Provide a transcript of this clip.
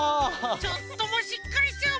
ちょっともうしっかりしてよ！